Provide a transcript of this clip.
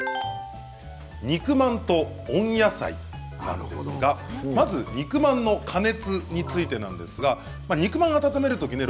肉まんと温野菜なんですがまず肉まんの加熱についてなんですが肉まん温めるときね